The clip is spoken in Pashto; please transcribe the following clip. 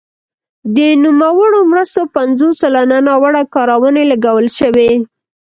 د نوموړو مرستو پنځوس سلنه ناوړه کارونې لګول شوي.